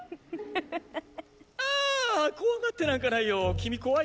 あぁ怖がってなんかないよ君怖いの？